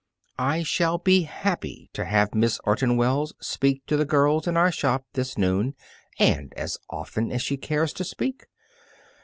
"I shall be happy to have Miss Orton Wells speak to the girls in our shop this noon, and as often as she cares to speak.